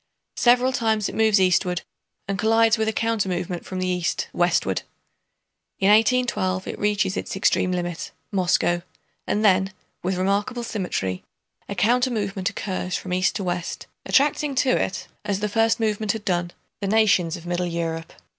Several times it moves eastward and collides with a countermovement from the east westward. In 1812 it reaches its extreme limit, Moscow, and then, with remarkable symmetry, a countermovement occurs from east to west, attracting to it, as the first movement had done, the nations of middle Europe.